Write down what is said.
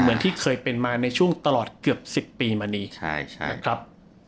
เหมือนที่เคยเป็นมาในช่วงตลอดเกือบ๑๐ปีมานี้นะครับ